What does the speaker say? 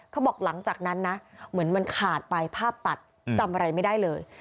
เขาบอกหลังจากนั้นนะเหมือนมันขาดไปภาพตัดจำอะไรไม่ได้เลย